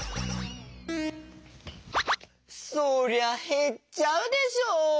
そりゃへっちゃうでしょ。